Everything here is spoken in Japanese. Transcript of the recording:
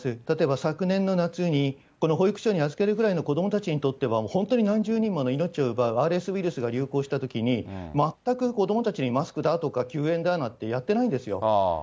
例えば昨年の夏に、この保育所に預けるぐらいの子どもたちにとっては、本当に何十人もの命を奪うＲＳウイルスが流行したときに、全く子どもたちにマスクだとか、休園だなんてやってないんですよ。